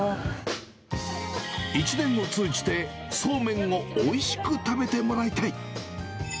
一年を通じて、そうめんをおいしく食べてもらいたい。